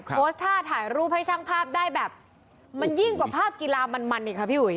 โพสต์ท่าถ่ายรูปให้ช่างภาพได้แบบมันยิ่งกว่าภาพกีฬามันมันอีกค่ะพี่อุ๋ย